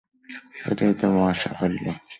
এটাই তো মহা সাফল্য।